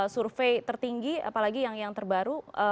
survei tertinggi apalagi yang terbaru